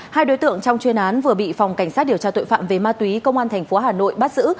hai đối tượng trong chuyên án vừa bị phòng cảnh sát điều tra tội phạm về ma túy công an tp hà nội bắt giữ